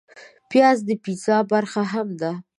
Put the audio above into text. پیاز د پیزا برخه هم ده